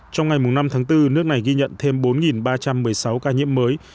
trong ngày năm tháng bốn nước này ghi nhận thêm bốn ba trăm một mươi sáu ca nhiễm mới